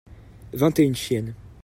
vingt et une chiennes.